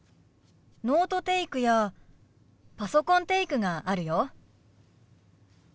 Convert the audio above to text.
ノートテイクやパソコンテイクがあるよ。